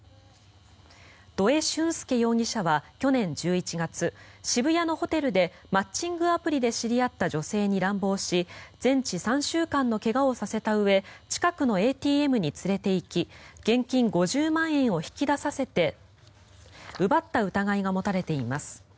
土江俊輔容疑者は去年１１月渋谷のホテルでマッチングアプリで知り合った女性に乱暴し全治３週間の怪我をさせたうえ近くのＡＴＭに連れていき現金５０万円を引き出させて奪った疑いが持たれています。